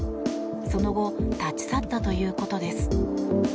その後立ち去ったということです。